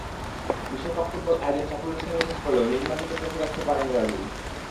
বিশ্বকাপ ফুটবল আয়োজন সাফল্যের সঙ্গে শেষ করলেও নিজ মাটিতে ট্রফি রাখতে পারেনি ব্রাজিল।